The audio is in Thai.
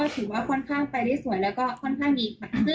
ถือว่าค่อนข้างไปได้สวยแล้วก็ค่อนข้างดีค่ะ